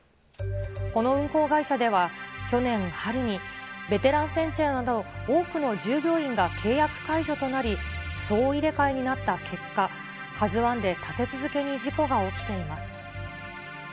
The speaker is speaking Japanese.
この運航会社では、去年春に、ベテラン船長など、多くの従業員が契約解除となり、総入れ替えになった結果、カズワンで立て続けに事故が起きています。